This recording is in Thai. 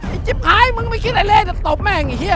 ไอ้จิบหายมึงไม่คิดไอ้เล่แต่ตบแม่งไอ้เหี้ย